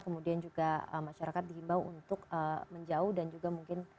kemudian juga masyarakat digembau untuk menjauh dan juga